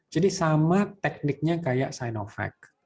jadi sama tekniknya kayak sinovac